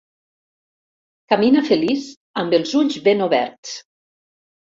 Camina feliç amb els ulls ben oberts.